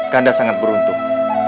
kanda sangat beruntung